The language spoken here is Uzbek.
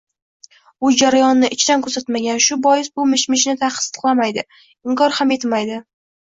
U jarayonni ichdan kuzatmagan, shu bois bu mish-mishni tasdiqlamaydi, inkor ham ham etmaydi.